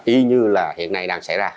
y như là hiện nay đang xảy ra